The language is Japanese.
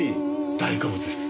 大好物です！